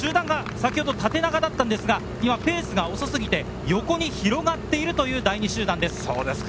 そして集団が先ほど縦長だったんですが、今、ペースが遅すぎて、横に広がっているという第２集団です。